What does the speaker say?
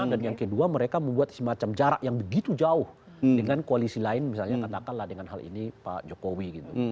dan yang kedua mereka membuat semacam jarak yang begitu jauh dengan koalisi lain misalnya katakanlah dengan hal ini pak jokowi gitu